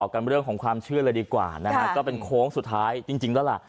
กันเรื่องของความเชื่อเลยดีกว่านะฮะก็เป็นโค้งสุดท้ายจริงแล้วล่ะ